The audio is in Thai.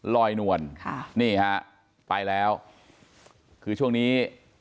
ลอยนวลค่ะนี่ฮะไปแล้วคือช่วงนี้